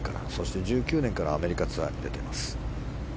２０１９年からアメリカツアーに出ています。